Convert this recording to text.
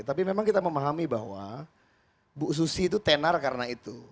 tapi memang kita memahami bahwa bu susi itu tenar karena itu